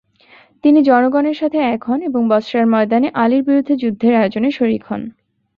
তিনি জনগণের সাথে এক হন এবং বসরার ময়দানে আলির বিরুদ্ধে যুদ্ধের আয়োজনে শরিক হন।